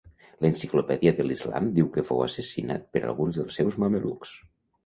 L'enciclopèdia de l'Islam diu que fou assassinat per alguns dels seus mamelucs.